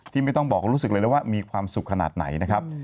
ไม่ต้องบอกรู้สึกเลยนะว่ามีความสุขขนาดไหนนะครับ